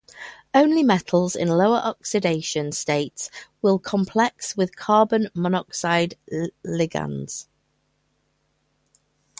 Only metals in lower oxidation states will complex with carbon monoxide ligands.